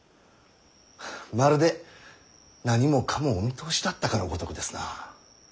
まるで何もかもお見通しだったかのごとくですな。